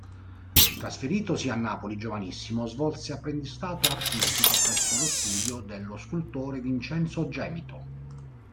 Trasferitosi a Napoli giovanissimo, svolse apprendistato artistico presso lo studio dello scultore Vincenzo Gemito.